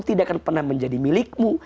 tidak akan pernah menjadi milikmu